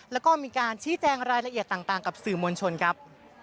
แล้วก็มีการชี้แจงรายละเอียดต่างกับสื่อมวลชนครับ